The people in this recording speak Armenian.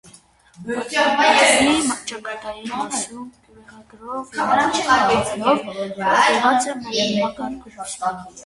Պատվանդանի ճակատային մասում կյուրեղագրով և արաբական տառերով փորագրված է մակագրությունը։